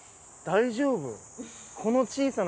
大丈夫？